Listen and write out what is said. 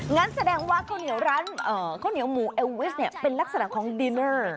งั้นแสดงว่าข้าวเหนียวร้านข้าวเหนียวหมูเอลวิสเนี่ยเป็นลักษณะของดินเนอร์